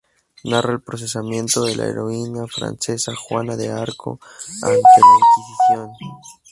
Narra el procesamiento de la heroína francesa Juana de Arco ante la Inquisición.